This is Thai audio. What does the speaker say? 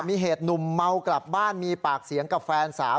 มีเหตุหนุ่มเมากลับบ้านมีปากเสียงกับแฟนสาว